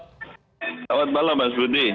selamat malam pak gatot